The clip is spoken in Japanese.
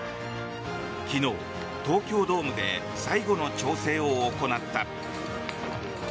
昨日、東京ドームで最後の調整を行った。